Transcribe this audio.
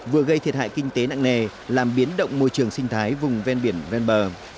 vừa gây thiệt hại kinh tế nặng nề làm biến động môi trường sinh thái vùng ven biển ven bờ